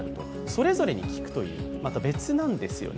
それぞれに効くという、また別なんですね。